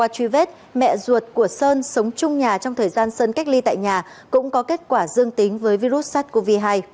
truy vết mẹ ruột của sơn sống chung nhà trong thời gian sơn cách ly tại nhà cũng có kết quả dương tính với virus sars cov hai